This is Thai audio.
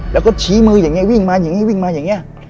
แล้วก็ชี้มืออย่างนี้วิ่งมาอย่างนี้วิ่งมาอย่างนี้